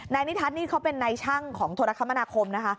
นิทัศน์นี่เขาเป็นนายช่างของโทรคมนาคมนะคะ